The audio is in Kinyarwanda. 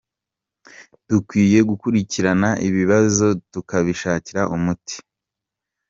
Dukwiye gukurikiranira ibi bibazo tukabishakira umuti.”